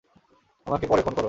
আমাকে পরে ফোন করো।